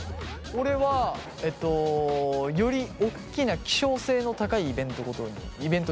俺はえっとよりおっきな希少性の高いイベントごとにイベント順に並べた。